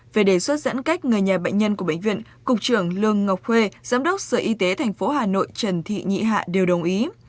về đề xuất giãn cách người nhà bệnh nhân của bệnh viện cục trưởng lương ngọc khuê giám đốc sở y tế tp hà nội trần thị nhị hạ đều đồng ý